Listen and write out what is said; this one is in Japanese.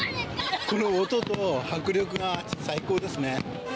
音と迫力が最高ですね。